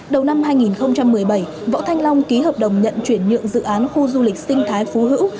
đầu năm hai nghìn một mươi bảy võ thanh long ký hợp đồng nhận chuyển nhượng dự án khu du lịch sinh thái phú hữu